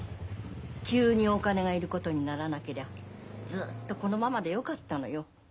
急にお金が要ることにならなけりゃずっとこのままでよかったのよ。